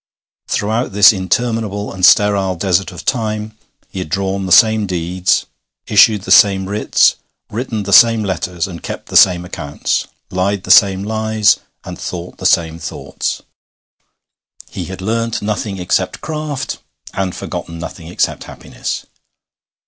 Throughout this interminable and sterile desert of time he had drawn the same deeds, issued the same writs, written the same letters, kept the same accounts, lied the same lies, and thought the same thoughts. He had learnt nothing except craft, and forgotten nothing except happiness.